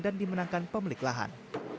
dan dimenangkan pemilik lahan